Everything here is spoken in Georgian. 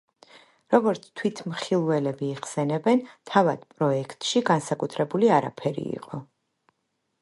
როგორც თვითმხილველები იხსენებენ თავად პროექტში განსაკუთრებული არაფერი იყო.